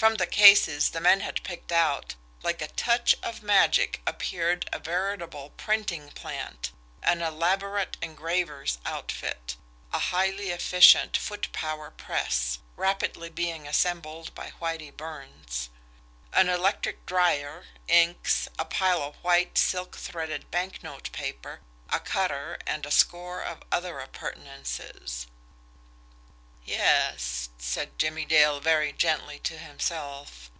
From the cases the men had picked out, like a touch of magic, appeared a veritable printing plant, an elaborate engraver's outfit a highly efficient foot power press, rapidly being assembled by Whitie Burns; an electric dryer, inks, a pile of white, silk threaded bank note paper, a cutter, and a score of other appurtenances. "Yes," said Jimmie Dale very gently to himself.